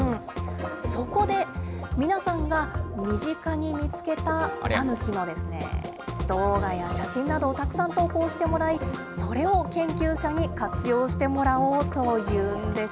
そこで、皆さんが身近に見つけたタヌキの動画や写真などをたくさん投稿してもらい、それを研究者に活用してもらおうというんです。